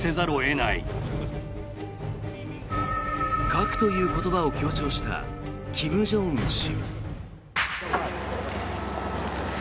核という言葉を強調した金正恩氏。